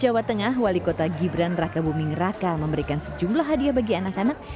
jawa tengah wali kota gibran raka buming raka memberikan sejumlah hadiah bagi anak anak